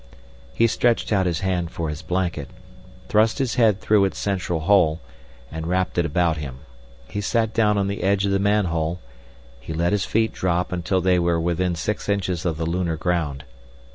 He stretched out his hand for his blanket, thrust his head through its central hole, and wrapped it about him. He sat down on the edge of the manhole, he let his feet drop until they were within six inches of the lunar ground.